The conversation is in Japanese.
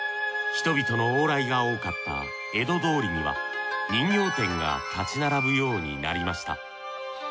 人々の往来が多かった江戸通りには人形店が立ち並ぶようになりました。